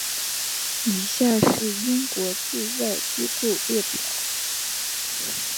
以下是英国驻外机构列表。